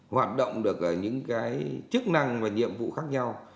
hoạt động được ở những cái chức năng và nhiệm vụ khác nhau